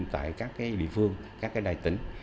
tại các cái địa phương các cái đài tỉnh